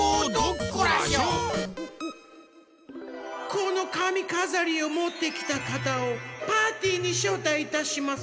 このかみかざりをもってきたかたをパーティーにしょうたいいたします。